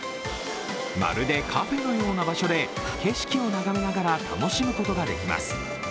まるでカフェのような場所で景色を眺めながら楽しむことができます。